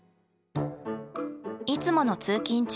いつもの通勤中。